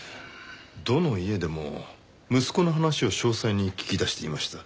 どの家でも息子の話を詳細に聞き出していました。